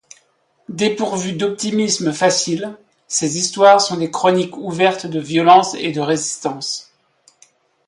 Dépourvues d'optimisme facile, ses histoires sont des chroniques ouvertes de violence et de résistance.